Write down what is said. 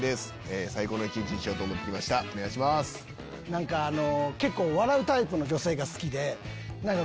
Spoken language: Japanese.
何かあの。